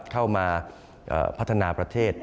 เข้ามาพัฒนาประเทศ